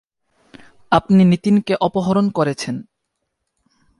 আপনি নিতিনকে অপহরণ করেছেন!